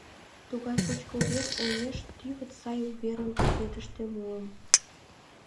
Тугай шучко увер олмеш тӱвыт сай уверым газетыште муым.